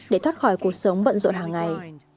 để thoát khỏi cuộc sống bận rộn hàng ngày